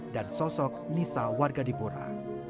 dan sosok nisa warga di pura